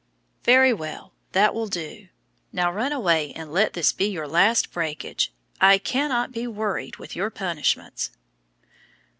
"Very well, that will do. Now run away, and let this be your last breakage. I cannot be worried with your punishments."